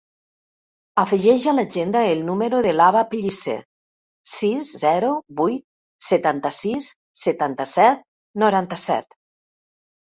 Afegeix a l'agenda el número de l'Abba Pellicer: sis, zero, vuit, setanta-sis, setanta-set, noranta-set.